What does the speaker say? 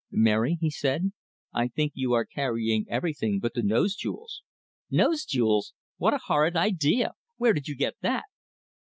"Mary," he said, "I think you are carrying everything but the nose jewels." "Nose jewels? What a horrid idea! Where did you get that?"